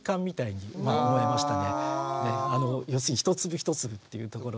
要するに一粒一粒というところでですね